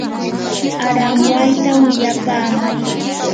aranwayta willapamay.